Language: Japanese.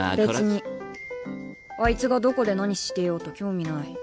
別にあいつがどこで何してようと興味ない。